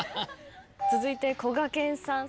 続いてこがけんさん。